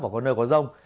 và có nơi có rông